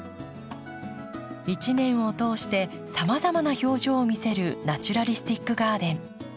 一年を通してさまざまな表情を見せるナチュラリスティックガーデン。